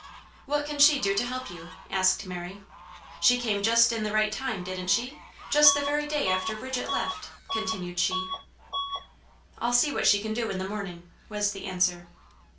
"What can she do to help you?" asked Mary. "She came just in the right time, didn't she? Just the very day after Bridget left," continued she. "I'll see what she can do in the morning," was the answer.